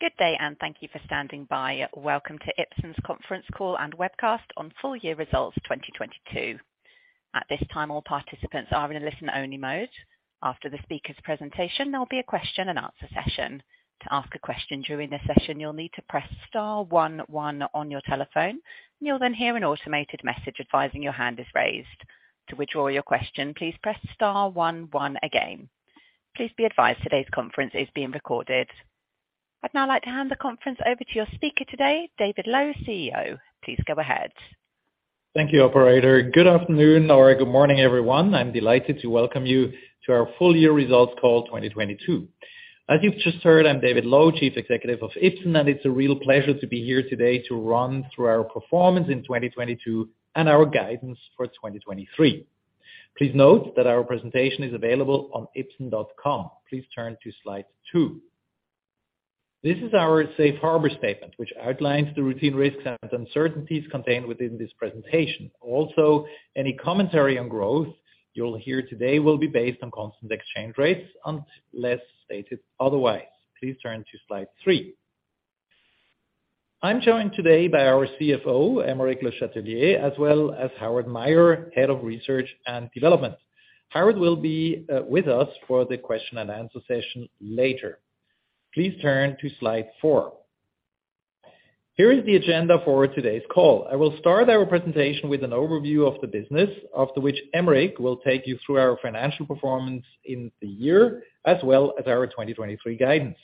Good day. Thank you for standing by. Welcome to Ipsen's conference call and webcast on full year results 2022. At this time, all participants are in a listen-only mode. After the speaker's presentation, there'll be a question and answer session. To ask a question during the session, you'll need to press star one one on your telephone. You'll then hear an automated message advising your hand is raised. To withdraw your question, please press star one one again. Please be advised today's conference is being recorded. I'd now like to hand the conference over to your speaker today, David Loew, CEO. Please go ahead. Thank you, operator. Good afternoon or good morning, everyone. I'm delighted to welcome you to our full year results call 2022. As you've just heard, I'm David Loew, Chief Executive of Ipsen, it's a real pleasure to be here today to run through our performance in 2022 and our guidance for 2023. Please note that our presentation is available on ipsen.com. Please turn to slide two. This is our safe harbor statement, which outlines the routine risks and uncertainties contained within this presentation. Also, any commentary on growth you'll hear today will be based on constant exchange rates unless stated otherwise. Please turn to slide three. I'm joined today by our CFO, Aymeric Le Chatelier, as well as Howard Meyer, Head of Research and Development. Howard will be with us for the question and answer session later. Please turn to slide four. Here is the agenda for today's call. I will start our presentation with an overview of the business, after which Aymeric will take you through our financial performance in the year, as well as our 2023 guidance.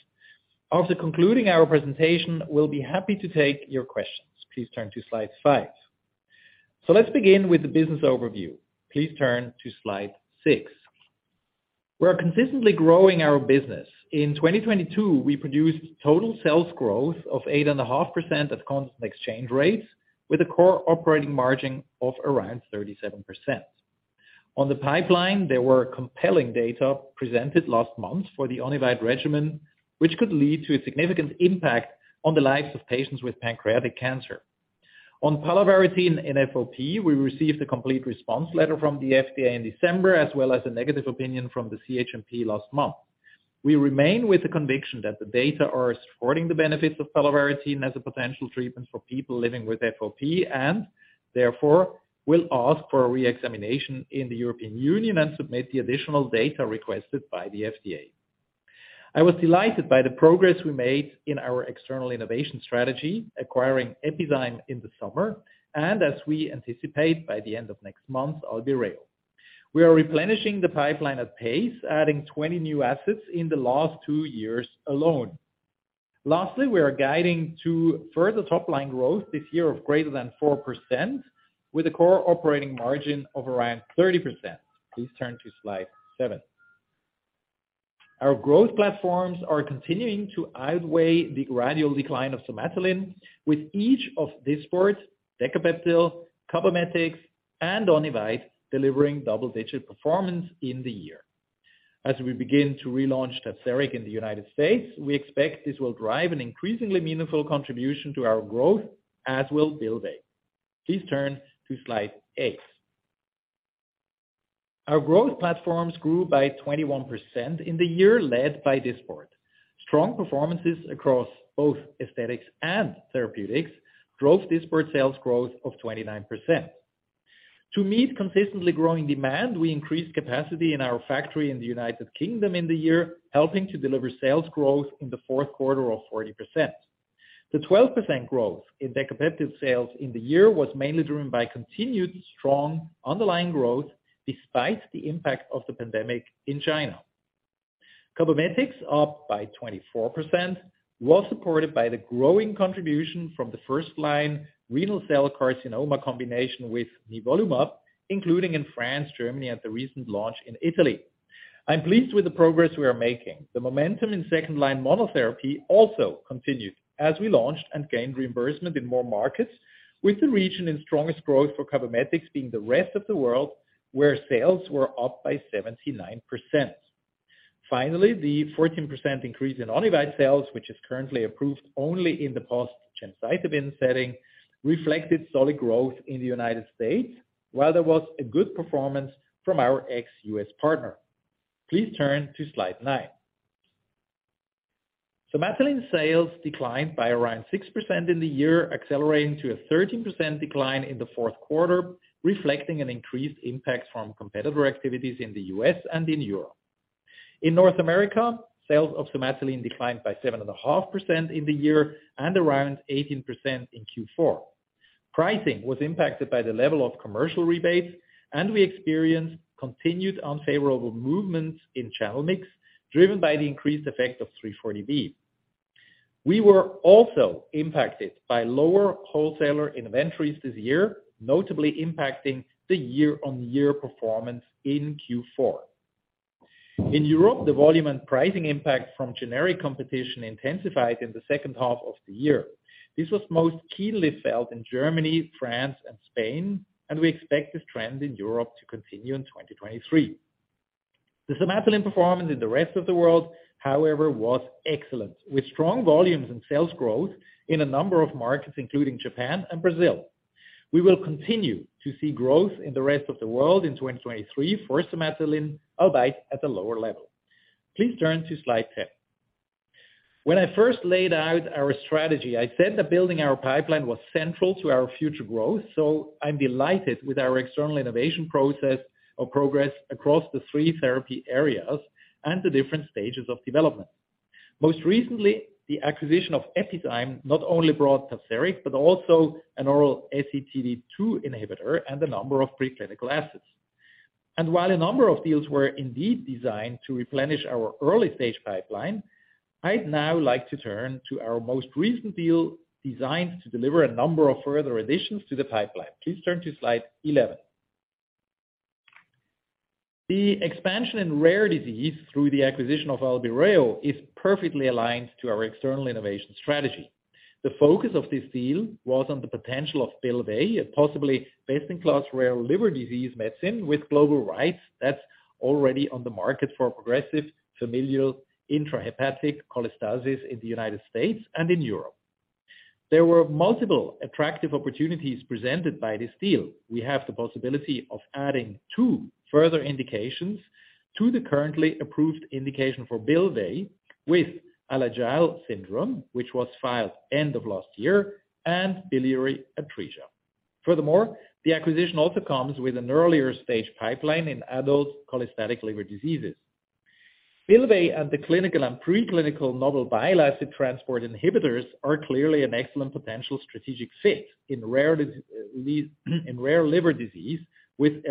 After concluding our presentation, we'll be happy to take your questions. Please turn to slide five. Let's begin with the business overview. Please turn to slide six. We are consistently growing our business. In 2022, we produced total sales growth of 8.5% at constant exchange rates with a core operating margin of around 37%. On the pipeline, there were compelling data presented last month for the Onivyde regimen, which could lead to a significant impact on the lives of patients with pancreatic cancer. aOn palovarotene in FOP, we received a complete response letter from the FDA in December, as well as a negative opinion from the CHMP last month. We remain with the conviction that the data are supporting the benefits of palovarotene as a potential treatment for people living with FOP, and therefore will ask for a re-examination in the European Union and submit the additional data requested by the FDA. I was delighted by the progress we made in our external innovation strategy, acquiring Epizyme in the summer, and as we anticipate by the end of next month, Almirall. We are replenishing the pipeline at pace, adding 20 new assets in the last two years alone. We are guiding to further top line growth this year of greater than 4% with a core operating margin of around 30%. Please turn to slide seven. Our growth platforms are continuing to outweigh the gradual decline of somatostatin, with each of Dysport, Decapeptyl, Cabometyx, and Onivyde delivering double-digit performance in the year. We begin to relaunch Tazverik in the United States, we expect this will drive an increasingly meaningful contribution to our growth as we'll build it. Please turn to slide eight. Our growth platforms grew by 21% in the year led by Dysport. Strong performances across both aesthetics and therapeutics drove Dysport sales growth of 29%. To meet consistently growing demand, we increased capacity in our factory in the United Kingdom in the year, helping to deliver sales growth in the fourth quarter of 40%. The 12% growth in Decapeptyl sales in the year was mainly driven by continued strong underlying growth despite the impact of the pandemic in China. Cabometyx, up by 24%, was supported by the growing contribution from the first line renal cell carcinoma combination with nivolumab, including in France, Germany at the recent launch in Italy. I'm pleased with the progress we are making. The momentum in second line monotherapy also continued as we launched and gained reimbursement in more markets with the region in strongest growth for Cabometyx being the rest of the world where sales were up by 79%. The 14% increase in Onivyde sales, which is currently approved only in the post-gemcitabine setting, reflected solid growth in the United States, while there was a good performance from our ex-U.S. partner. Please turn to slide nine. Somatostatin sales declined by around 6% in the year, accelerating to a 13% decline in the Q4, reflecting an increased impact from competitor activities in the U.S. and in Europe. In North America, sales of somatostatin declined by 7.5% in the year and around 18% in Q4. Pricing was impacted by the level of commercial rebates. We experienced continued unfavorable movements in channel mix driven by the increased effect of 340B. We were also impacted by lower wholesaler inventories this year, notably impacting the year-on-year performance in Q4. In Europe, the volume and pricing impact from generic competition intensified in the H2 of the year. This was most keenly felt in Germany, France, and Spain. We expect this trend in Europe to continue in 2023. The somatostatin performance in the rest of the world, however, was excellent with strong volumes in sales growth in a number of markets, including Japan and Brazil. We will continue to see growth in the rest of the world in 2023 first semester albeit at a lower level. Please turn to slide 10. When I first laid out our strategy, I said that building our pipeline was central to our future growth, I'm delighted with our external innovation process or progress across the three therapy areas and the different stages of development. Most recently, the acquisition of Epizyme not only brought Tazverik, but also an oral SETD2 inhibitor and a number of pre-clinical assets. While a number of deals were indeed designed to replenish our early-stage pipeline, I'd now like to turn to our most recent deal designed to deliver a number of further additions to the pipeline. Please turn to slide 11. The expansion in rare disease through the acquisition of Albireo is perfectly aligned to our external innovation strategy. The focus of this deal was on the potential of Bylvay, a possibly best-in-class rare liver disease medicine with global rights that's already on the market for progressive familial intrahepatic cholestasis in the United States and in Europe. There were multiple attractive opportunities presented by this deal. We have the possibility of adding two further indications to the currently approved indication for Bylvay with Alagille syndrome, which was filed end of last year, and biliary atresia. The acquisition also comes with an earlier stage pipeline in adult cholestatic liver diseases. Bylvay and the clinical and pre-clinical novel bile acid transport inhibitors are clearly an excellent potential strategic fit in rare liver disease with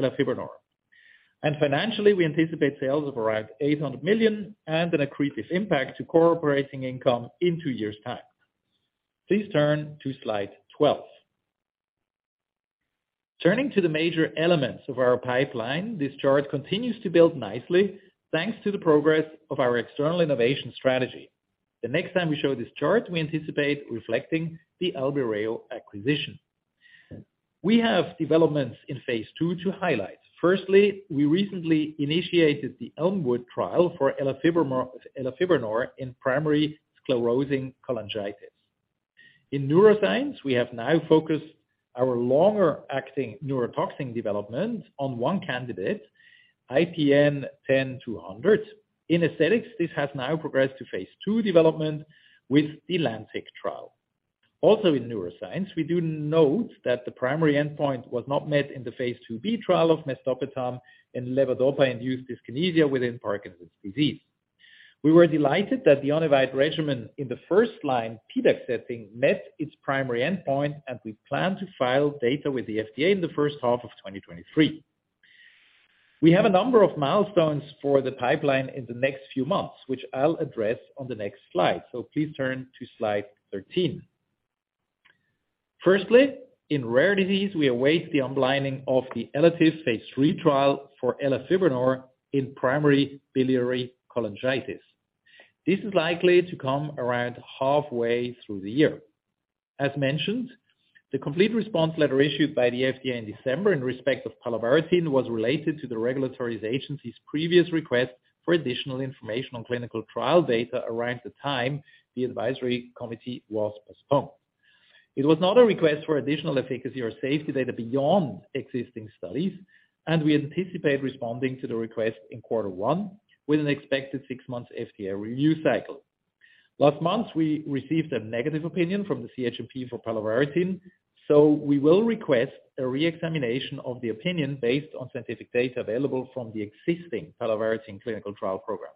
elafibranor. Financially, we anticipate sales of around 800 million and an accretive impact to core operating income in two years' time. Please turn to slide 12. Turning to the major elements of our pipeline, this chart continues to build nicely thanks to the progress of our external innovation strategy. The next time we show this chart, we anticipate reflecting the Albireo acquisition. We have developments in phase II to highlight. Firstly, we recently initiated the ELMWOOD trial for elafibranor in primary sclerosing cholangitis. In neuroscience, we have now focused our longer-acting neurotoxin development on one candidate, IPN10200. In aesthetics, this has now progressed to phase II development with the LANTIC trial. In neuroscience, we do note that the primary endpoint was not met in the phase IIb trial of mesdopetam and levodopa-induced dyskinesia within Parkinson's disease. We were delighted that the Onivyde regimen in the first-line PDAC setting met its primary endpoint, and we plan to file data with the FDA in the first half of 2023. We have a number of milestones for the pipeline in the next few months, which I'll address on the next slide. Please turn to slide 13. Firstly, in rare disease, we await the unblinding of the ELATIVE phase III trial for elafibranor in primary biliary cholangitis. This is likely to come around halfway through the year. As mentioned, the complete response letter issued by the FDA in December in respect of palovarotene was related to the regulatory agency's previous request for additional information on clinical trial data around the time the advisory committee was postponed. It was not a request for additional efficacy or safety data beyond existing studies, and we anticipate responding to the request in quarter one with an expected six-month FDA review cycle. Last month, we received a negative opinion from the CHMP for palovarotene. We will request a re-examination of the opinion based on scientific data available from the existing palovarotene clinical trial program.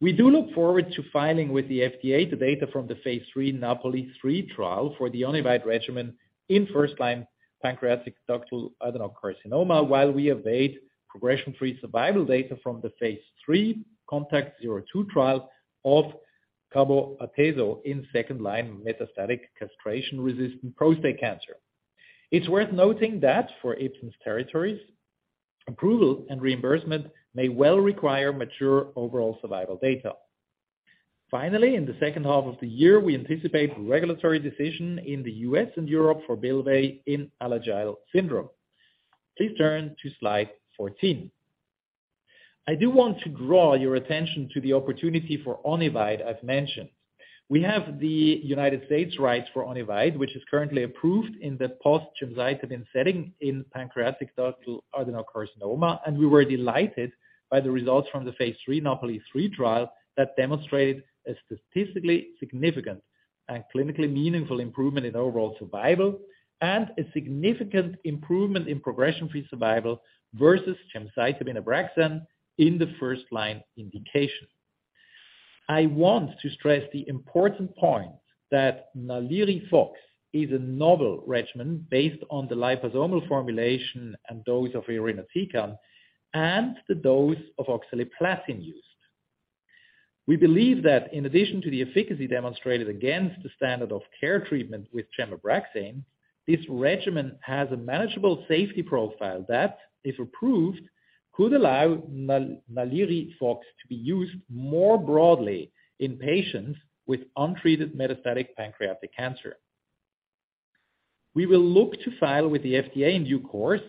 We do look forward to filing with the FDA the data from the phase III NAPOLI 3 trial for the Onivyde regimen in first-line pancreatic ductal adenocarcinoma while we await progression-free survival data from the phase III CONTACT-02 trial of Cabo Atezo in second-line metastatic castration-resistant prostate cancer. It's worth noting that for Ipsen's territories, approval and reimbursement may well require mature overall survival data. Finally, in the second half of the year, we anticipate regulatory decision in the U.S. and Europe for Bylvay in Alagille syndrome. Please turn to slide 14. I do want to draw your attention to the opportunity for Onivyde as mentioned. We have the United States rights for Onivyde, which is currently approved in the post-gemcitabine setting in pancreatic ductal adenocarcinoma. We were delighted by the results from the phase III NAPOLI 3 trial that demonstrated a statistically significant and clinically meaningful improvement in overall survival and a significant improvement in progression-free survival versus gemcitabine Abraxane in the first-line indication. I want to stress the important point that NALIRIFOX is a novel regimen based on the liposomal formulation and dose of irinotecan and the dose of oxaliplatin used. We believe that in addition to the efficacy demonstrated against the standard of care treatment with Gem-Abraxane, this regimen has a manageable safety profile that, if approved, could allow NALIRIFOX to be used more broadly in patients with untreated metastatic pancreatic cancer. We will look to file with the FDA in due course,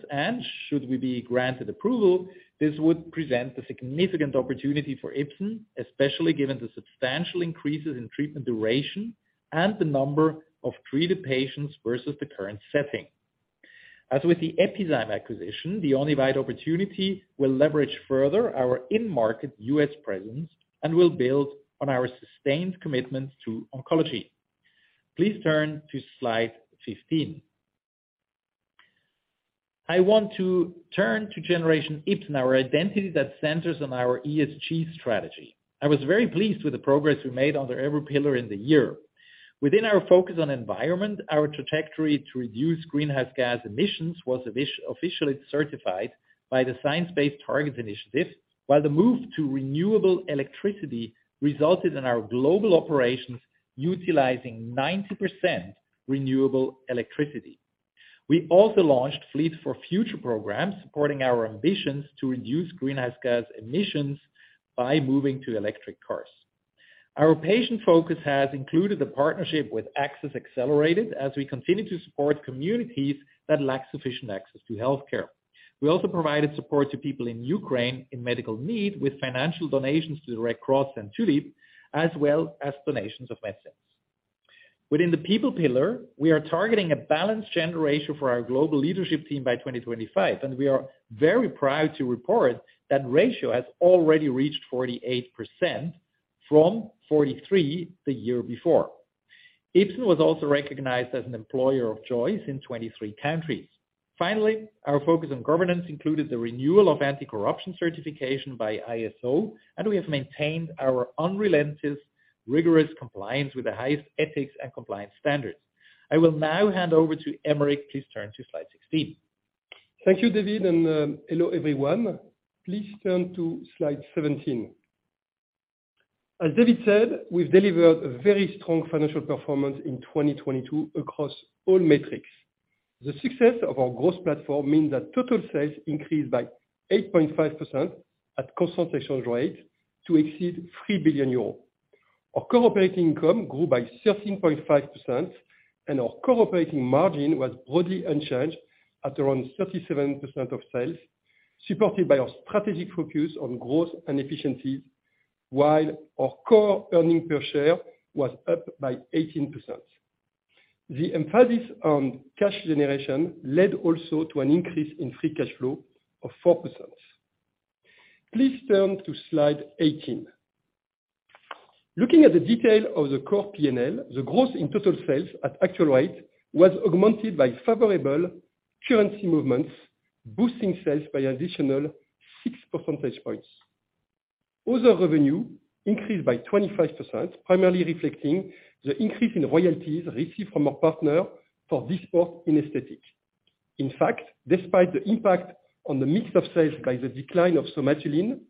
should we be granted approval, this would present a significant opportunity for Ipsen, especially given the substantial increases in treatment duration and the number of treated patients versus the current setting. As with the Epizyme acquisition, the Onivyde opportunity will leverage further our in-market US presence and will build on our sustained commitment to oncology. Please turn to slide 15. I want to turn to Generation Ipsen, our identity that centers on our ESG strategy. I was very pleased with the progress we made under every pillar in the year. Within our focus on environment, our trajectory to reduce greenhouse gas emissions was officially certified by the Science Based Targets initiative, while the move to renewable electricity resulted in our global operations utilizing 90% renewable electricity. We also launched Fleet for Future programs, supporting our ambitions to reduce greenhouse gas emissions by moving to electric cars. Our patient focus has included a partnership with Access Accelerated as we continue to support communities that lack sufficient access to healthcare. We also provided support to people in Ukraine in medical need with financial donations to the Red Cross and Tulip, as well as donations of medicines. Within the people pillar, we are targeting a balanced generation for our global leadership team by 2025. We are very proud to report that ratio has already reached 48% from 43 the year before. Ipsen was also recognized as an employer of choice in 23 countries. Finally, our focus on governance included the renewal of anti-corruption certification by ISO, and we have maintained our unrelentless, rigorous compliance with the highest ethics and compliance standards. I will now hand over to Aymeric. Please turn to slide 16. Thank you, David, hello, everyone. Please turn to slide 17. As David said, we've delivered a very strong financial performance in 2022 across all metrics. The success of our growth platform means that total sales increased by 8.5% at constant exchange rate to exceed 3 billion euros. Our core operating income grew by 13.5%, and our core operating margin was broadly unchanged at around 37% of sales, supported by our strategic focus on growth and efficiency, while our core earnings per share was up by 18%. The emphasis on cash generation led also to an increase in free cash flow of 4%. Please turn to slide 18. Looking at the detail of the core P&L, the growth in total sales at actual rate was augmented by favorable currency movements, boosting sales by additional 6% points. Other revenue increased by 25%, primarily reflecting the increase in royalties received from our partner for Dysport in aesthetic. In fact, despite the impact on the mix of sales by the decline of Somatuline,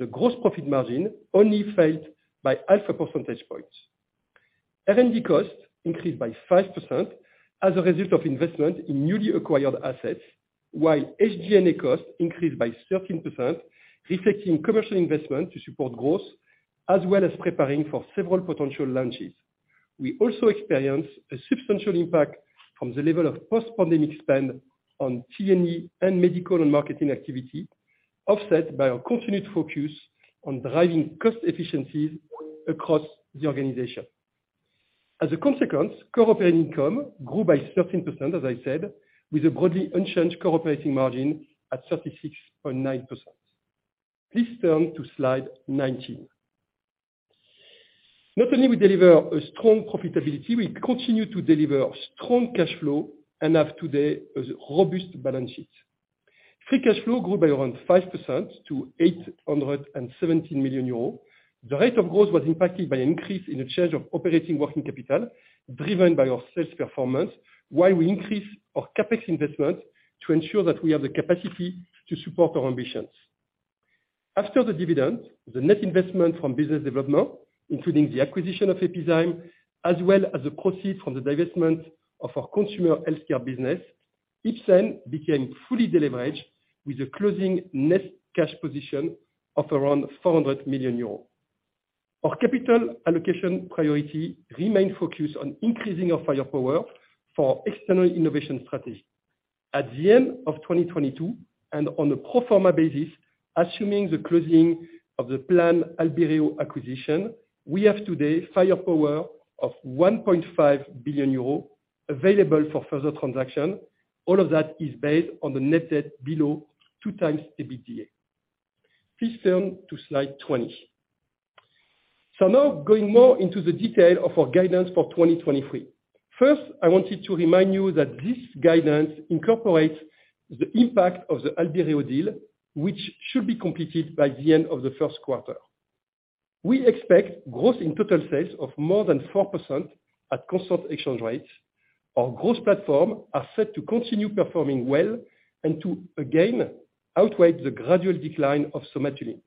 the gross profit margin only failed by 1/2 a %point. R&D costs increased by 5% as a result of investment in newly acquired assets, while SG&A costs increased by 13%, reflecting commercial investment to support growth, as well as preparing for several potential launches. We also experienced a substantial impact from the level of post-pandemic spend on T&E and medical and marketing activity, offset by our continued focus on driving cost efficiencies across the organization. As a consequence, core operating income grew by 13%, as I said, with a broadly unchanged core operating margin at 36.9%. Please turn to slide 19. Not only we deliver a strong profitability, we continue to deliver strong cash flow and have today a robust balance sheet. Free cash flow grew by around 5% to 817 million euros. The rate of growth was impacted by an increase in the charge of operating working capital driven by our sales performance, while we increase our CapEx investment to ensure that we have the capacity to support our ambitions. After the dividend, the net investment from business development, including the acquisition of Epizyme, as well as the proceeds from the divestment of our consumer healthcare business, Ipsen became fully deleveraged with a closing net cash position of around 400 million euros. Our capital allocation priority remain focused on increasing our firepower for external innovation strategy. At the end of 2022, on a pro forma basis, assuming the closing of the Albireo acquisition, we have today firepower of 1.5 billion euros available for further transaction. All of that is based on the net debt below 2x EBITDA. Please turn to slide 20. Now going more into the detail of our guidance for 2023. First, I wanted to remind you that this guidance incorporates the impact of the Albireo deal which should be completed by the end of the first quarter. We expect growth in total sales of more than 4% at constant exchange rates. Our growth platform are set to continue performing well and to again outweigh the gradual decline of Somatuline.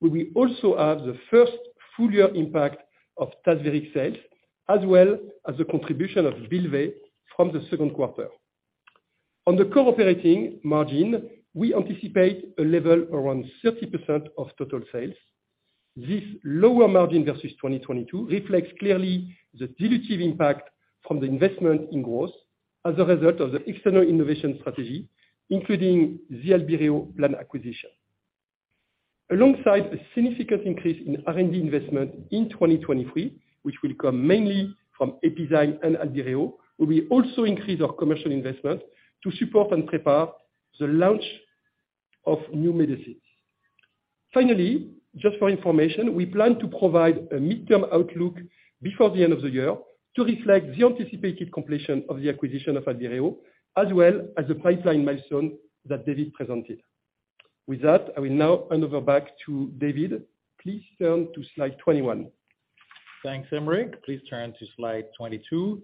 We will also have the first full year impact of Tazverik sales, as well as the contribution of Bylvay from the second quarter. On the core operating margin, we anticipate a level around 30% of total sales. This lower margin versus 2022 reflects clearly the dilutive impact from the investment in growth as a result of the external innovation strategy, including the Albireo planned acquisition. Alongside a significant increase in R&D investment in 2023, which will come mainly from Epizyme and Albireo, we will also increase our commercial investment to support and prepare the launch of new medicines. Finally, just for information, we plan to provide a midterm outlook before the end of the year to reflect the anticipated completion of the acquisition of Albireo, as well as the pipeline milestone that David presented. With that, I will now hand over back to David. Please turn to slide 21. Thanks, Aymeric. Please turn to slide 22.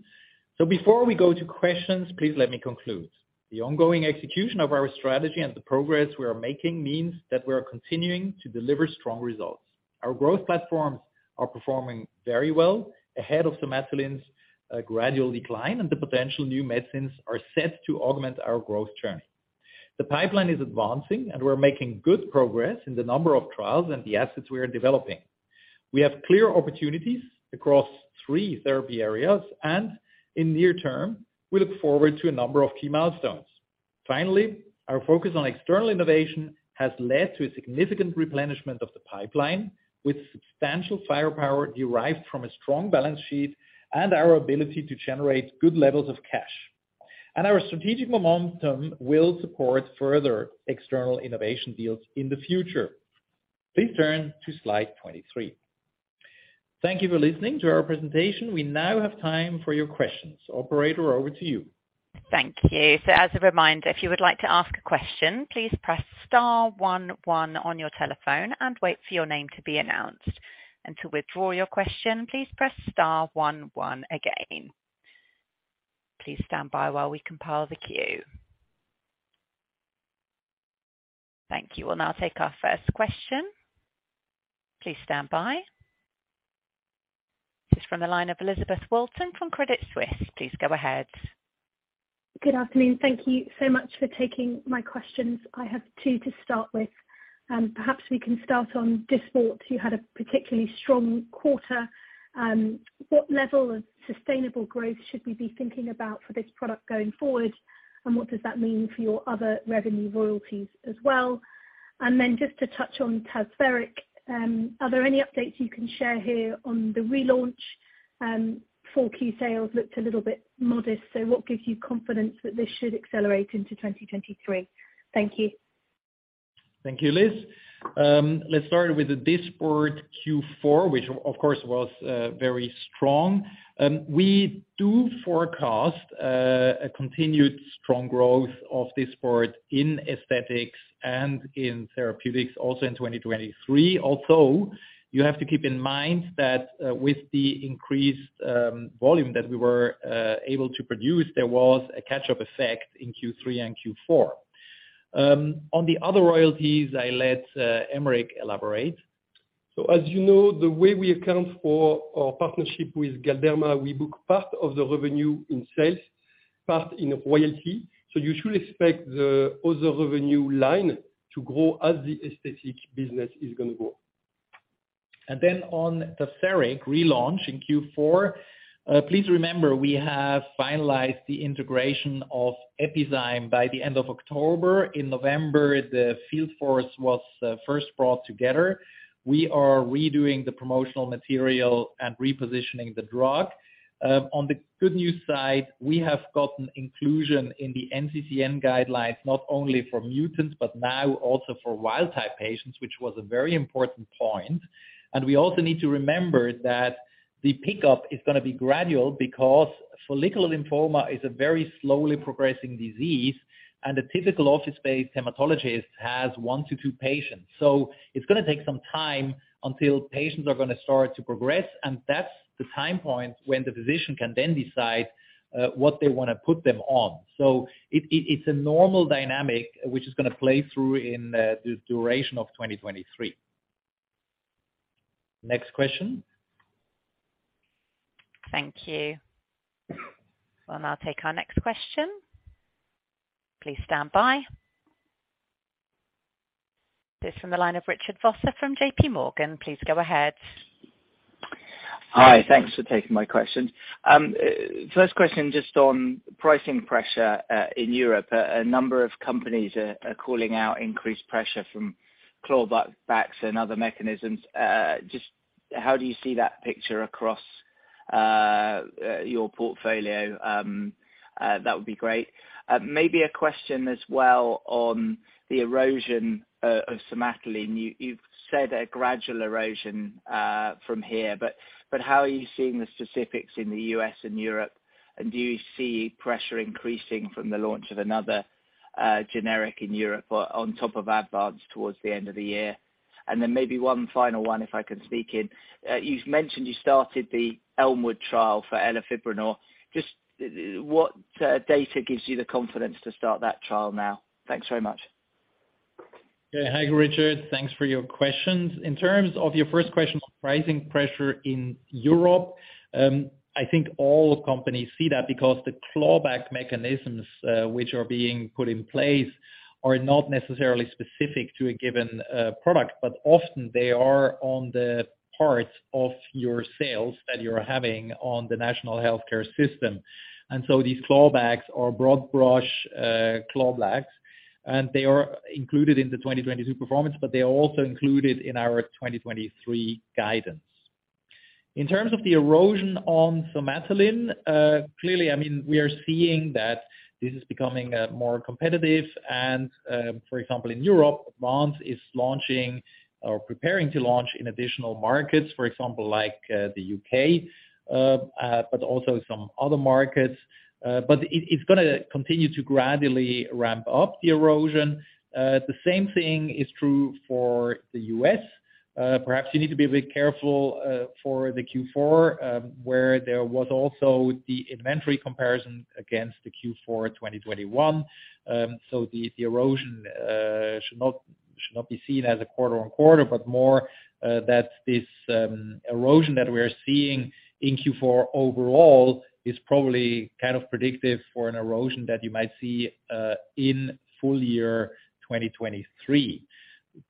Before we go to questions, please let me conclude. The ongoing execution of our strategy and the progress we are making means that we are continuing to deliver strong results. Our growth platforms are performing very well ahead of Somatuline's gradual decline and the potential new medicines are set to augment our growth journey. The pipeline is advancing, and we're making good progress in the number of trials and the assets we are developing. We have clear opportunities across three therapy areas, and in near term, we look forward to a number of key milestones. Finally, our focus on external innovation has led to a significant replenishment of the pipeline with substantial firepower derived from a strong balance sheet and our ability to generate good levels of cash. Our strategic momentum will support further external innovation deals in the future. Please turn to slide 23. Thank you for listening to our presentation. We now have time for your questions. Operator, over to you. Thank you. We'll now take our first question. Please stand by. It's from the line of Elizabeth Walton from Credit Suisse. Please go ahead. Good afternoon. Thank you so much for taking my questions. I have two to start with. Perhaps we can start on Dysport. You had a particularly strong quarter. What level of sustainable growth should we be thinking about for this product going forward? What does that mean for your other revenue royalties as well? Just to touch on Tazverik, are there any updates you can share here on the relaunch? four key sales looked a little bit modest, what gives you confidence that this should accelerate into 2023? Thank you. Thank you, Liz. Let's start with the Dysport Q4, which of course was very strong. We do forecast a continued strong growth of Dysport in aesthetics and in therapeutics also in 2023. You have to keep in mind that with the increased volume that we were able to produce, there was a catch-up effect in Q3 and Q4. On the other royalties, I let Aymeric elaborate As you know, the way we account for our partnership with Galderma, we book part of the revenue in sales, part in royalty. You should expect the other revenue line to grow as the aesthetic business is gonna grow. On Tazverik relaunch in Q4, please remember, we have finalized the integration of Epizyme by the end of October. In November, the field force was first brought together. We are redoing the promotional material and repositioning the drug. On the good news side, we have gotten inclusion in the NCCN guidelines, not only for mutants, but now also for wild type patients, which was a very important point. We also need to remember that the pickup is gonna be gradual because follicular lymphoma is a very slowly progressing disease, and a typical office-based hematologist has one to two patients. It's gonna take some time until patients are gonna start to progress, and that's the time point when the physician can then decide what they wanna put them on. It's a normal dynamic which is going to play through in the duration of 2023. Next question. Thank you. We'll now take our next question. Please stand by. It's from the line of Richard Vosser from JP Morgan. Please go ahead. Hi. Thanks for taking my questions. First question, just on pricing pressure in Europe. A number of companies are calling out increased pressure from clawbacks and other mechanisms. Just how do you see that picture across your portfolio? That would be great. Maybe a question as well on the erosion of Somatuline. You've said a gradual erosion from here, but how are you seeing the specifics in the U.S. and Europe? Do you see pressure increasing from the launch of another generic in Europe or on top of Advanced towards the end of the year? Maybe one final one, if I can sneak in. You've mentioned you started the ELMWOOD trial for elafibranor. Just what data gives you the confidence to start that trial now? Thanks very much. Yeah. Hi, Richard. Thanks for your questions. In terms of your first question on pricing pressure in Europe, I think all companies see that because the clawback mechanisms, which are being put in place are not necessarily specific to a given product, but often they are on the parts of your sales that you're having on the national healthcare system. These clawbacks are broad brush clawbacks, and they are included in the 2022 performance, but they are also included in our 2023 guidance. In terms of the erosion on Somatuline, clearly, I mean, we are seeing that this is becoming more competitive and, for example, in Europe, Advanced is launching or preparing to launch in additional markets, for example, like the U.K., but also some other markets. It's gonna continue to gradually ramp up the erosion. The same thing is true for the U.S. Perhaps you need to be a bit careful for the Q4, where there was also the inventory comparison against the Q4 2021. The erosion should not be seen as a quarter-on-quarter, but more that this erosion that we are seeing in Q4 overall is probably kind of predictive for an erosion that you might see in full year 2023.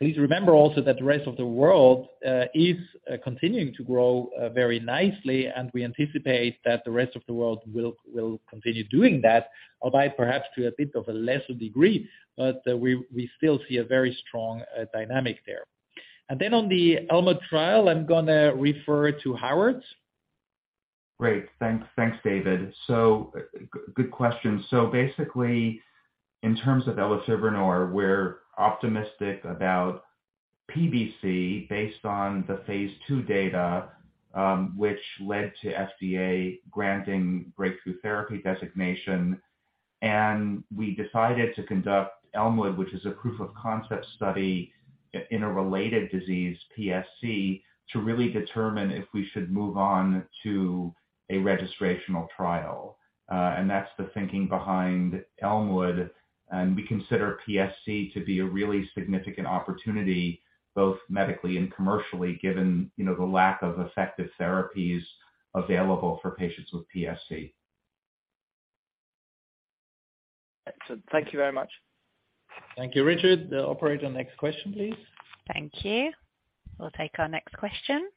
Please remember also that the rest of the world is continuing to grow very nicely, and we anticipate that the rest of the world will continue doing that, albeit perhaps to a bit of a lesser degree. We still see a very strong dynamic there. On the ELMWOOD trial, I'm gonna refer to Howard. Great. Thanks. Thanks, David. Good question. Basically, in terms of elafibranor, we're optimistic about PBC based on the phase II data, which led to FDA granting Breakthrough Therapy designation. We decided to conduct ELMWOOD, which is a proof of concept study in a related disease, PSC, to really determine if we should move on to a registrational trial. That's the thinking behind ELMWOOD, we consider PSC to be a really significant opportunity, both medically and commercially, given, you know, the lack of effective therapies available for patients with PSC. Excellent. Thank you very much. Thank you, Richard. The operator, next question, please. Thank you. We'll take our next question.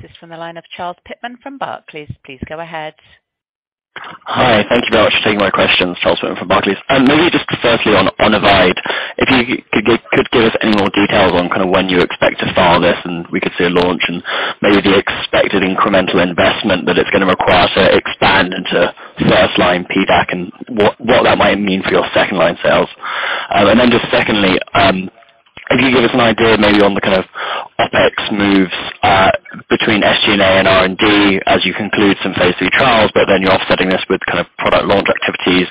This is from the line of Charles Pitman from Barclays. Please go ahead. Hi. Thank you very much for taking my questions. Charles Pitman from Barclays. Maybe just firstly on Onivyde, if you could give us any more details on kind of when you expect to file this and we could see a launch and maybe the expected incremental investment that it's gonna require to expand into first line PDAC and what that might mean for your second line sales. Just secondly, if you could give us an idea maybe on the kind of OpEx moves between SG&A and R&D as you conclude some phase three trials, but then you're offsetting this with kind of product launch activities.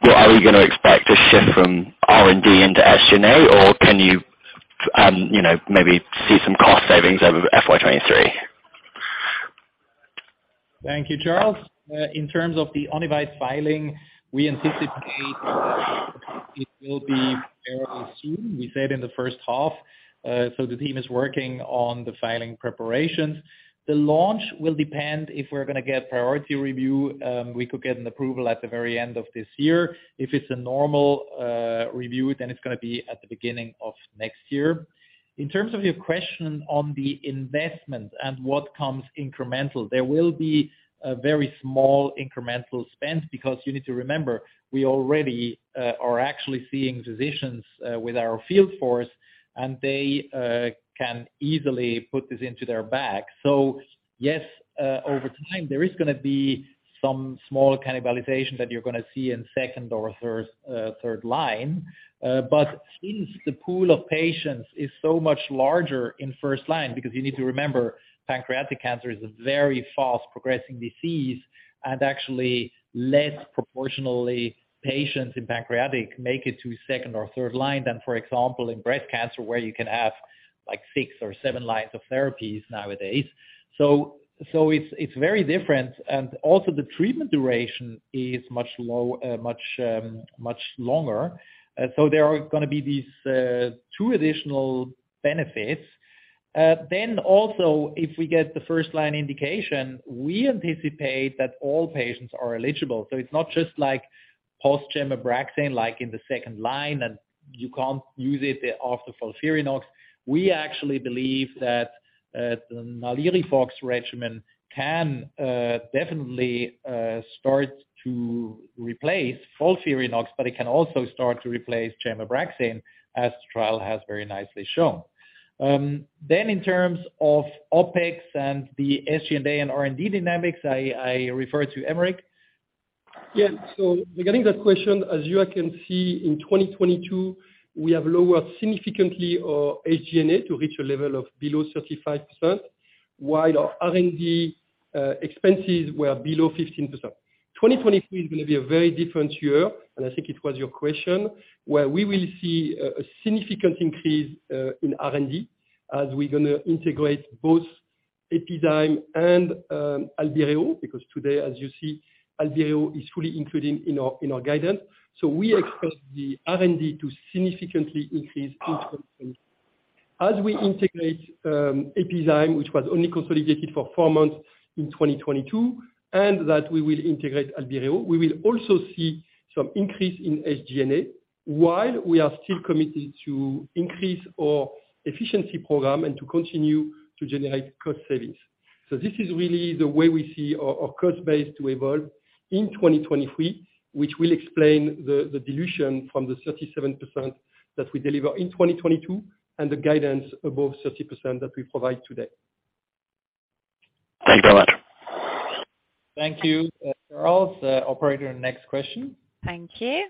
What are we gonna expect to shift from R&D into SG&A or can you know, maybe see some cost savings over FY 2023? Thank you, Charles. In terms of the Onivyde filing, we anticipate it will be fairly soon. We said in the first half. The team is working on the filing preparations. The launch will depend if we're going to get priority review. We could get an approval at the very end of this year. If it's a normal review, it's going to be at the beginning of next year. In terms of your question on the investment and what comes incremental, there will be a very small incremental spend because you need to remember, we already are actually seeing physicians with our field force, and they can easily put this into their bag. Yes, over time, there is going to be some small cannibalization that you're going to see in second or first, third line. Since the pool of patients is so much larger in first line, because you need to remember, pancreatic cancer is a very fast progressing disease and actually less proportionally patients in pancreatic make it to second or third line than, for example, in breast cancer, where you can have, like, six or seven lines of therapies nowadays. It's very different, and also the treatment duration is much longer. There are gonna be these two additional benefits. Also, if we get the first line indication, we anticipate that all patients are eligible. It's not just like post gem or Abraxane, like in the second line, and you can't use it after FOLFIRINOX. We actually believe that the NALIRIFOX regimen can definitely start to replace FOLFIRINOX, but it can also start to replace gemcitabine and Abraxane as the trial has very nicely shown. In terms of OpEx and the SG&A and R&D dynamics, I refer to Aymeric. Yeah. Regarding that question, as you can see in 2022, we have lowered significantly our SG&A to reach a level of below 35%, while our R&D expenses were below 15%. 2023 is going to be a very different year, I think it was your question, where we will see a significant increase in R&D as we're going to integrate both Epizyme and Albireo, because today, as you see, Albireo is fully included in our guidance. We expect the R&D to significantly increase in 2023. As we integrate Epizyme, which was only consolidated for four months in 2022, that we will integrate Albireo, we will also see some increase in SG&A while we are still committed to increase our efficiency program and to continue to generate cost savings. This is really the way we see our cost base to evolve in 2023, which will explain the dilution from the 37% that we deliver in 2022 and the guidance above 30% that we provide today. Thanks a lot. Thank you, Charles. operator, next question. Thank you.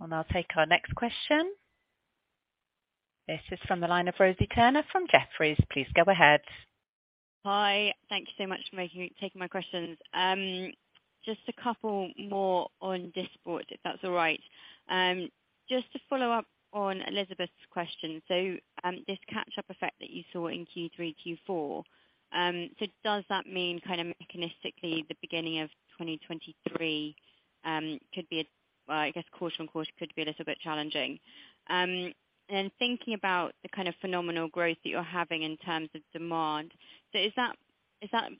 I'll take our next question. This is from the line of Rosie Turner from Jefferies. Please go ahead. Hi. Thank you so much for taking my questions. Just a couple more on this board, if that's all right. Just to follow up on Elizabeth's question. This catch-up effect that you saw in Q3, Q4, does that mean kind of mechanistically the beginning of 2023, could be a, well, I guess quarter- on- quarter could be a little bit challenging. Thinking about the kind of phenomenal growth that you're having in terms of demand, is that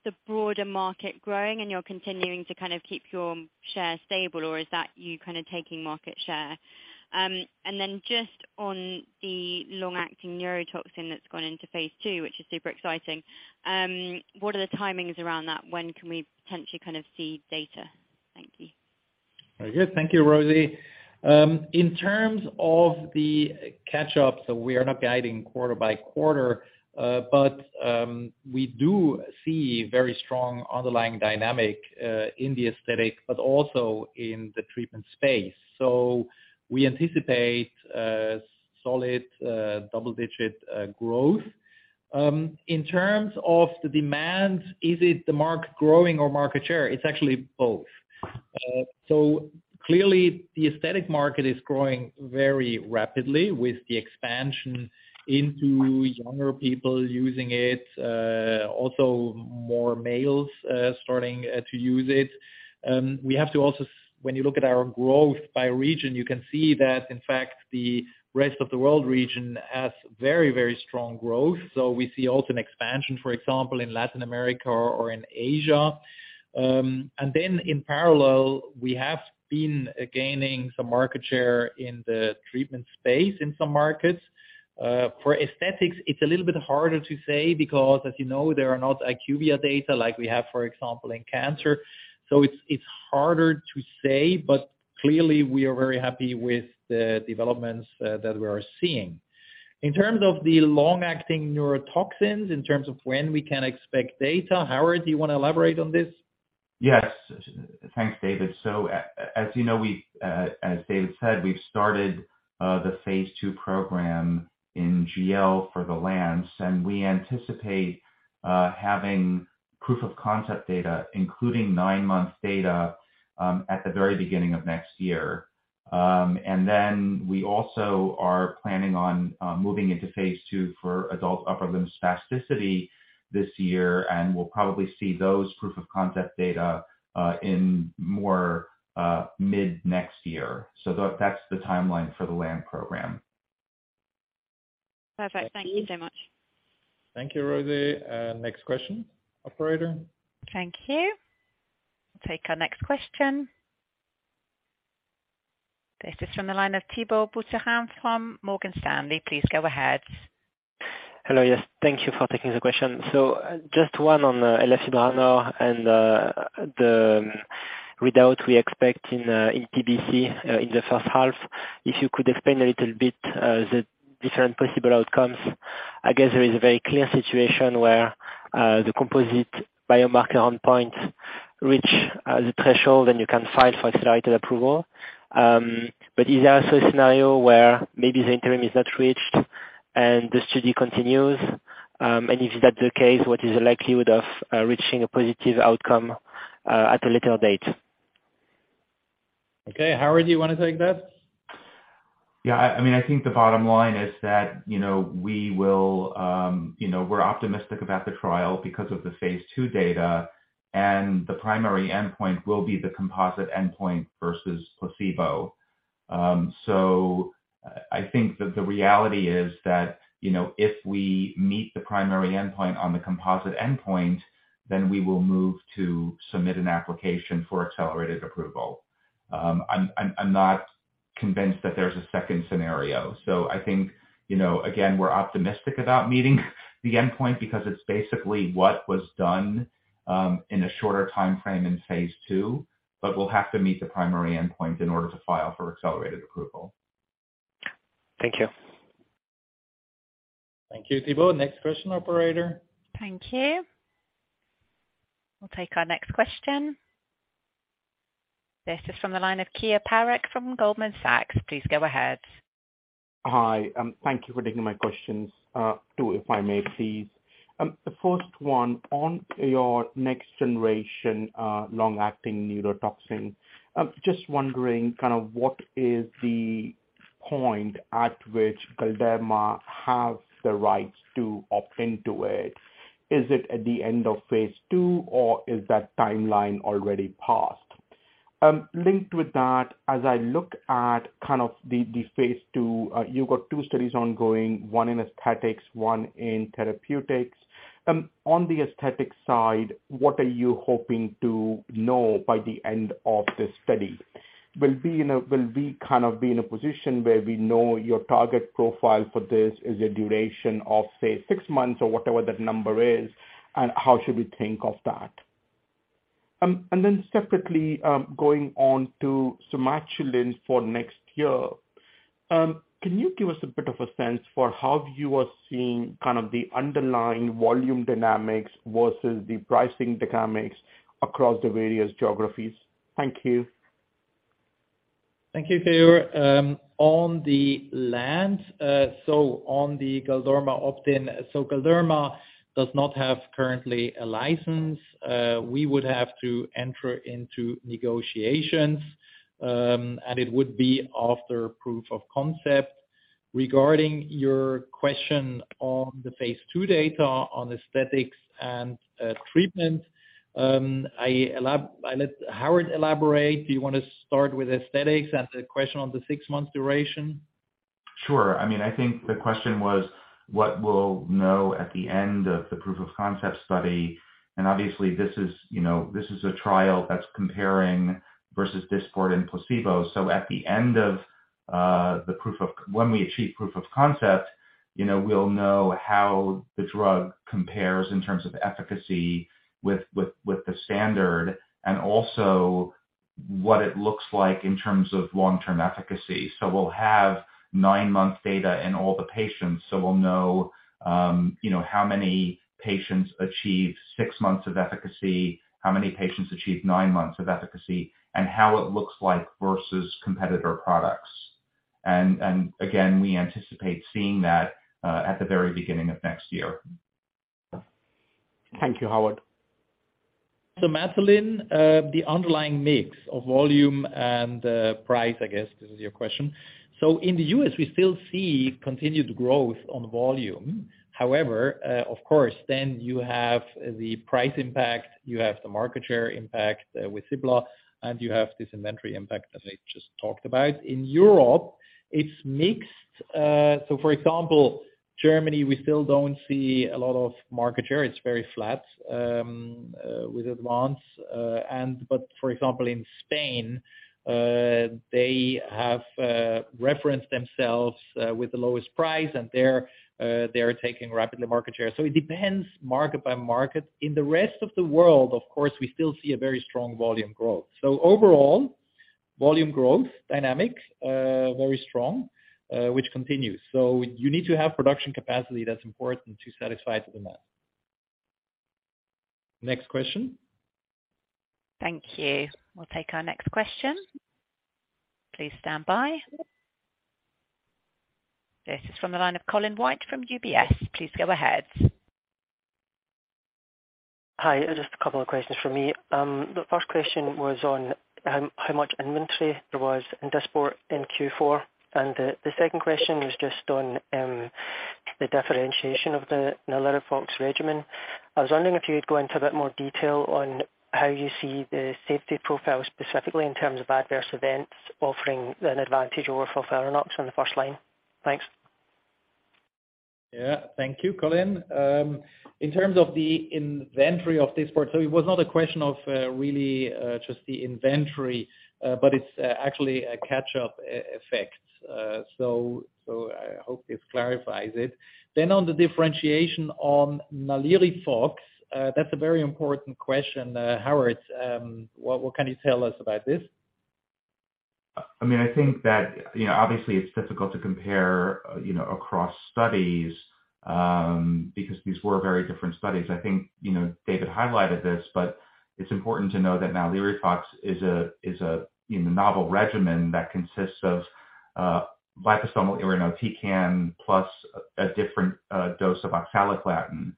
the broader market growing and you're continuing to kind of keep your share stable, or is that you kind of taking market share? Just on the long-acting neurotoxin that's gone into phase II, which is super exciting, what are the timings around that? When can we potentially kind of see data? Thank you. Very good. Thank you, Rosie. In terms of the catch-up, we are not guiding quarter by quarter, but we do see very strong underlying dynamic in the aesthetic, but also in the treatment space. We anticipate a solid, double-digit growth. In terms of the demand, is it the market growing or market share? It's actually both. Clearly the aesthetic market is growing very rapidly with the expansion into younger people using it, also more males starting to use it. We have to also when you look at our growth by region, you can see that in fact the rest of the world region has very strong growth. We see also an expansion, for example, in Latin America or in Asia. In parallel, we have been gaining some market share in the treatment space in some markets. For aesthetics it's a little bit harder to say because as you know, there are not IQVIA data like we have, for example, in cancer, so it's harder to say, but clearly we are very happy with the developments that we are seeing. In terms of the long-acting neurotoxins, in terms of when we can expect data, Howard, do you wanna elaborate on this? Yes. Thanks, David. As you know, we've, as David said, we've started the phase two program in GL for the LAMS, and we anticipate having proof of concept data, including nine-month data, at the very beginning of next year. We also are planning on moving into phase two for adult upper limb spasticity this year, and we'll probably see those proof of concept data in more mid next year. That's the timeline for the LAM program. Perfect. Thank you so much. Thank you, Rosie. Next question, operator. Thank you. We'll take our next question. This is from the line of Thibault Boutherin from Morgan Stanley. Please go ahead. Hello. Yes, thank you for taking the question. Just one on and the readout we expect in PBC in the first half. If you could explain a little bit the different possible outcomes. I guess there is a very clear situation where the composite biomarker endpoint reach the threshold, and you can file for accelerated approval. Is there also a scenario where maybe the interim is not reached and the study continues? If that's the case, what is the likelihood of reaching a positive outcome at a later date? Okay. Howard, do you wanna take that? Yeah. I mean, I think the bottom line is that, you know, we will, you know, we're optimistic about the trial because of the phase II data, the primary endpoint will be the composite endpoint versus placebo. I think that the reality is that, you know, if we meet the primary endpoint on the composite endpoint, we will move to submit an application for accelerated approval. I'm not convinced that there's a second scenario. I think, you know, again, we're optimistic about meeting the endpoint because it's basically what was done in a shorter timeframe in phase II, but we'll have to meet the primary endpoint in order to file for accelerated approval. Thank you. Thank you, Thibault. Next question, operator. Thank you. We'll take our next question. This is from the line of Kiya Parakh from Goldman Sachs. Please go ahead. Hi. Thank you for taking my questions. too if I may please. The first one, on your next generation, long-acting neurotoxin, just wondering kind of what is the point at which Galderma has the rights to opt into it. Is it at the end of phase II, or is that timeline already passed? Linked with that, as I look at kind of the phase II, you've got two studies ongoing, one in aesthetics, one in therapeutics. On the aesthetic side, what are you hoping to know by the end of the study? Will we kind of be in a position where we know your target profile for this is a duration of, say, six months or whatever that number is, and how should we think of that? Separately, going on to Sumatriptan for next year. Can you give us a bit of a sense for how you are seeing kind of the underlying volume dynamics versus the pricing dynamics across the various geographies? Thank you. Thank you, Kiya. On the land, so on the Galderma opt-in. Galderma does not have currently a license. We would have to enter into negotiations, and it would be after proof of concept. Regarding your question on the phase II data on aesthetics and treatment, I let Howard elaborate. Do you wanna start with aesthetics and the question on the 6-month duration? Sure. I mean, I think the question was what we'll know at the end of the proof of concept study, and obviously this is, you know, this is a trial that's comparing versus Dysport and placebo. When we achieve proof of concept, you know, we'll know how the drug compares in terms of efficacy with the standard and also what it looks like in terms of long-term efficacy. We'll have nine-month data in all the patients, so we'll know, you know, how many patients achieved six months of efficacy, how many patients achieved nine months of efficacy, and how it looks like versus competitor products. Again, we anticipate seeing that at the very beginning of next year. Thank you, Howard Somatuline, the underlying mix of volume and price, I guess is your question. In the U.S., we still see continued growth on volume. However, of course, then you have the price impact, you have the market share impact with Cipla, and you have this inventory impact as I just talked about. In Europe, it's mixed. For example, Germany, we still don't see a lot of market share. It's very flat with Advance, and for example, in Spain, they have referenced themselves with the lowest price and they're taking rapidly market share. It depends market by market. In the rest of the world, of course, we still see a very strong volume growth. Overall volume growth dynamics, very strong, which continues. You need to have production capacity that's important to satisfy the demand. Next question. Thank you. We'll take our next question. Please stand by. This is from the line of Colin White from UBS. Please go ahead. Hi. Just a couple of questions from me. The first question was on, how much inventory there was in Dysport in Q4. The second question was just on, the differentiation of the NALIRIFOX regimen. I was wondering if you'd go into a bit more detail on how you see the safety profile, specifically in terms of adverse events offering an advantage over FOLFIRINOX on the first line. Thanks. Yeah. Thank you, Colin. In terms of the inventory of Dysport, it was not a question of really just the inventory, but it's actually a catch-up effect. I hope this clarifies it. On the differentiation on NALIRIFOX, that's a very important question. Howard, what can you tell us about this? I mean, I think that, you know, obviously it's difficult to compare, you know, across studies because these were very different studies. I think, you know, David highlighted this, but it's important to know that NALIRIFOX is a, you know, novel regimen that consists of liposomal irinotecan plus a different dose of oxaliplatin.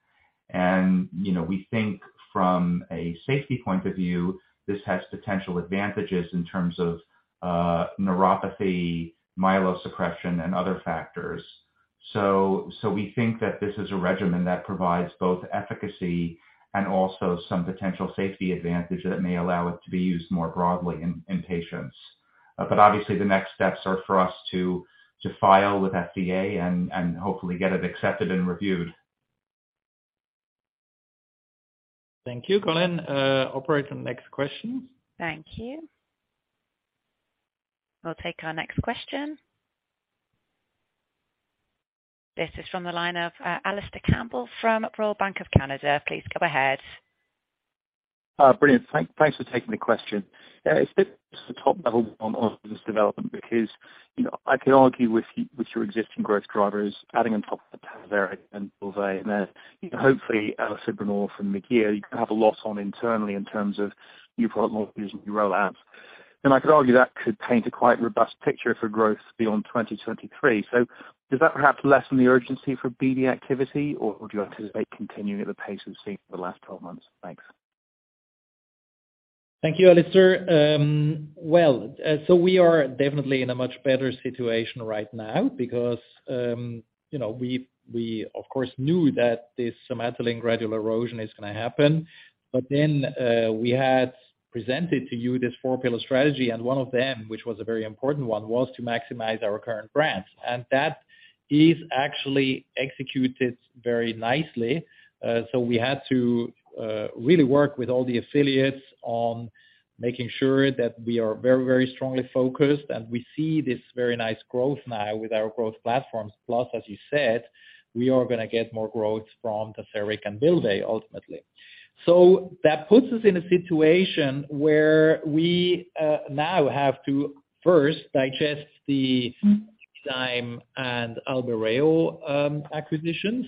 You know, we think from a safety point of view, this has potential advantages in terms of neuropathy, myelosuppression, and other factors. We think that this is a regimen that provides both efficacy and also some potential safety advantage that may allow it to be used more broadly in patients. Obviously the next steps are for us to file with FDA and hopefully get it accepted and reviewed. Thank you, Colin. operator, next question. Thank you. We'll take our next question. This is from the line of Alistair Campbell from Royal Bank of Canada. Please go ahead. Brilliant. Thanks for taking the question. It's a bit just a top level on all of this development because, you know, I can argue with your existing growth drivers adding on top of the and then hopefully asubrenor from McGeer, you have a lot on internally in terms of new product launches and new rollouts. I could argue that could paint a quite robust picture for growth beyond 2023. Does that perhaps lessen the urgency for BD activity or do you anticipate continuing at the pace we've seen for the last 12 months? Thanks. Thank you, Alistair. Well, you know, we, of course, knew that this Sumatriptan gradual erosion is gonna happen. We had presented to you this four-pillar strategy. One of them, which was a very important one, was to maximize our current brands. That is actually executed very nicely. We had to really work with all the affiliates on making sure that we are very, very strongly focused. We see this very nice growth now with our growth platforms. As you said, we are gonna get more growth from Tazverik and Bylvay ultimately. That puts us in a situation where we now have to first digest the Epizyme and Albireo acquisitions.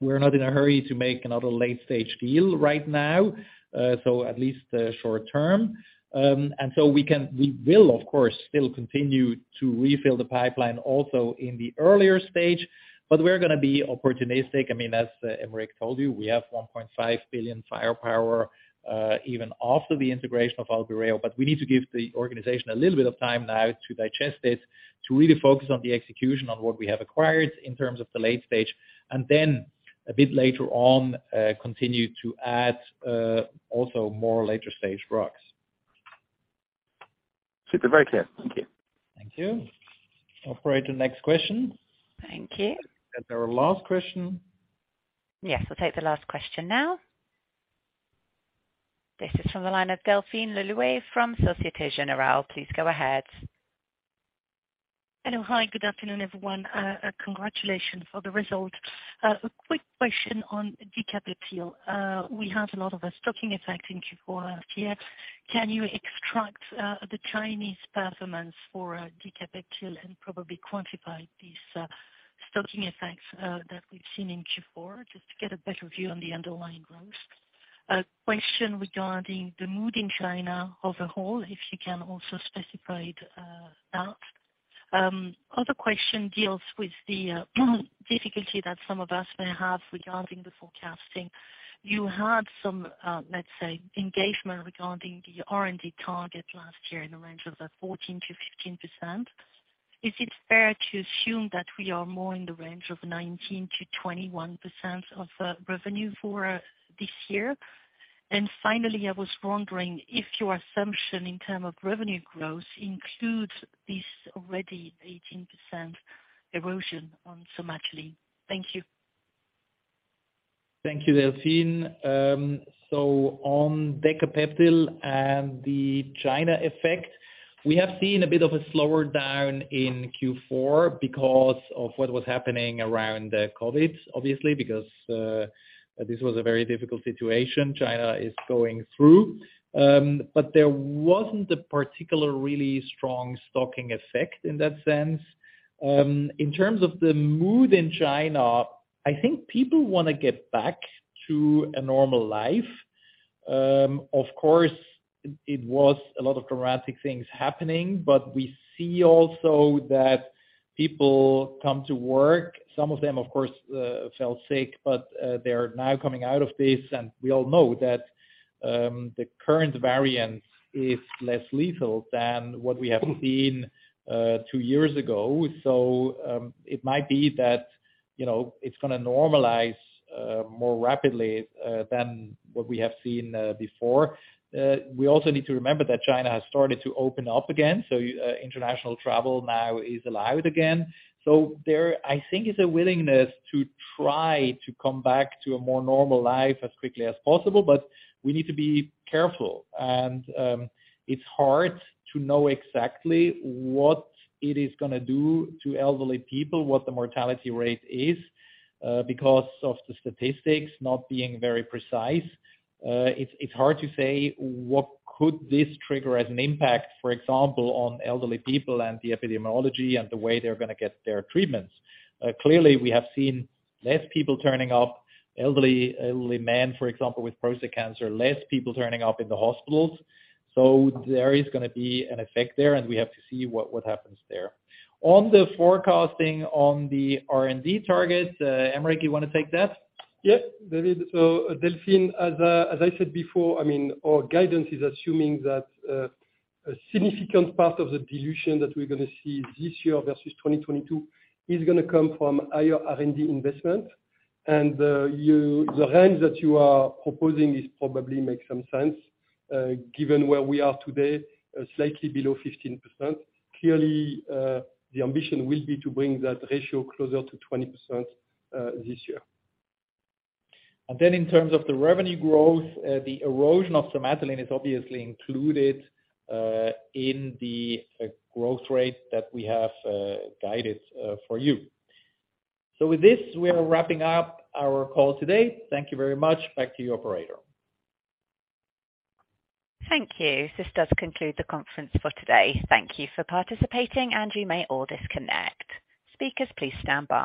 We're not in a hurry to make another late stage deal right now, at least short term. We will of course, still continue to refill the pipeline also in the earlier stage, but we're gonna be opportunistic. I mean, as Aymeric told you, we have 1.5 billion firepower, even after the integration of Albireo. We need to give the organization a little bit of time now to digest this, to really focus on the execution on what we have acquired in terms of the late stage, and then a bit later on, continue to add, also more later stage drugs. Super, very clear. Thank you. Thank you. Operator, next question. Thank you. Our last question. Yes, I'll take the last question now. This is from the line of Delphine Le Louet from Société Générale. Please go ahead. Hello. Hi, good afternoon, everyone. Congratulations for the result. A quick question on Decapeptyl. We had a lot of a stocking effect in Q4 last year. Can you extract the Chinese performance for Decapeptyl and probably quantify these stocking effects that we've seen in Q4, just to get a better view on the underlying growth? A question regarding the mood in China as a whole, if you can also specify that. Other question deals with the difficulty that some of us may have regarding the forecasting. You had some, let's say, engagement regarding the R&D target last year in the range of 14%-15%. Is it fair to assume that we are more in the range of 19%-21% of revenue for this year? Finally, I was wondering if your assumption in terms of revenue growth includes this already 18% erosion on Somatuline. Thank you. Thank you, Delphine. On Decapeptyl and the China effect, we have seen a bit of a slower down in Q4 because of what was happening around the COVID, obviously, because this was a very difficult situation China is going through. There wasn't a particular really strong stocking effect in that sense. In terms of the mood in China, I think people wanna get back to a normal life. Of course, it was a lot of dramatic things happening, but we see also that people come to work. Some of them, of course, fell sick, but they are now coming out of this, and we all know that the current variant is less lethal than what we have seen two years ago. It might be that, you know, it's gonna normalize more rapidly than what we have seen before. We also need to remember that China has started to open up again. International travel now is allowed again. There, I think, is a willingness to try to come back to a more normal life as quickly as possible, but we need to be careful. It's hard to know exactly what it is gonna do to elderly people, what the mortality rate is because of the statistics not being very precise. It's hard to say, what could this trigger as an impact, for example, on elderly people and the epidemiology and the way they're gonna get their treatments. Clearly, we have seen less people turning up, elderly men, for example, with prostate cancer, less people turning up in the hospitals. There is gonna be an effect there, and we have to see what happens there. On the forecasting on the R&D targets, Aymeric, you wanna take that? Yeah. David, Delphine, as I said before, I mean, our guidance is assuming that a significant part of the dilution that we're going to see this year versus 2022 is going to come from higher R&D investment. The range that you are proposing is probably make some sense given where we are today, slightly below 15%. Clearly, the ambition will be to bring that ratio closer to 20% this year. In terms of the revenue growth, the erosion of Somatuline is obviously included in the growth rate that we have guided for you. With this, we are wrapping up our call today. Thank you very much. Back to you, operator. Thank you. This does conclude the conference for today. Thank you for participating, and you may all disconnect. Speakers, please stand by.